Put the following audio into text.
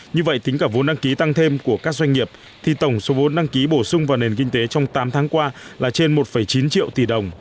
như vậy tính cả vốn đăng ký tăng thêm của các doanh nghiệp thì tổng số vốn đăng ký bổ sung vào nền kinh tế trong tám tháng qua là trên một chín triệu tỷ đồng